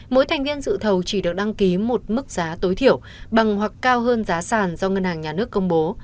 mỗi thành viên dự thầu chỉ được đăng ký một mức giá tối thiểu bằng hoặc cao hơn giá sản do ngân hàng nhà nước công bố